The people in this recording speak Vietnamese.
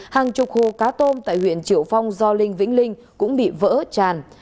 hàng chục hồ cá tôm tại huyện triệu phong gio linh vĩnh linh cũng bị vỡ tràn